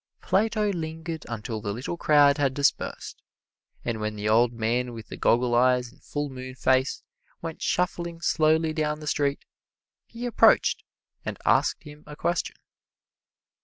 Plato lingered until the little crowd had dispersed, and when the old man with the goggle eyes and full moon face went shuffling slowly down the street, he approached and asked him a question.